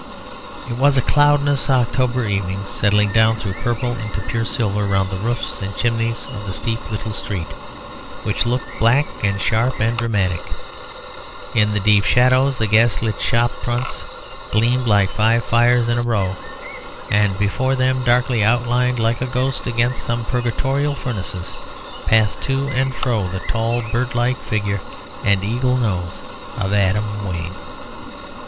It was a cloudless October evening settling down through purple into pure silver around the roofs and chimneys of the steep little street, which looked black and sharp and dramatic. In the deep shadows the gas lit shop fronts gleamed like five fires in a row, and before them, darkly outlined like a ghost against some purgatorial furnaces, passed to and fro the tall bird like figure and eagle nose of Adam Wayne.